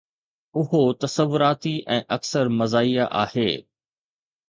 اهو تصوراتي ۽ اڪثر مزاحيه آهي